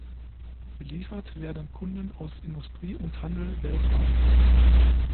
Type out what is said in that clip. Beliefert werden Kunden aus Industrie und Handel weltweit.